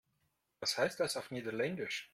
Was heißt das auf Niederländisch?